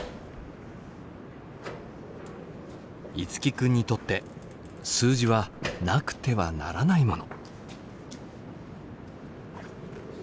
樹君にとって数字はなくてはならないもの。